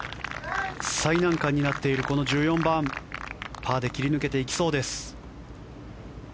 最難関になっているこの１４番パーで切り抜けていきそうです。